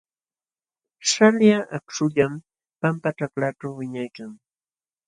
Śhalyaq akśhullam pampaćhaklaaćhu wiñaykan.